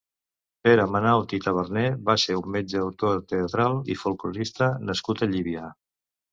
Pere Manaut i Taberner va ser un metge, autor teatral i folklorista nascut a Llívia.